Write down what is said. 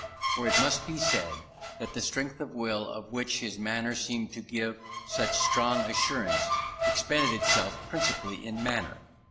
For it must be said, that the strength of will of which his manner seemed to give such strong assurance, expended itself principally in manner.